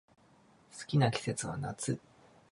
好きな季節は夏